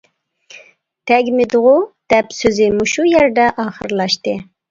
تەگمىدىغۇ؟ دەپ سۆزى مۇشۇ يەردە ئاخىرلاشتى.